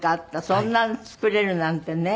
そんなの作れるなんてね。